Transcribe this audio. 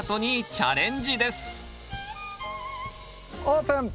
オープン！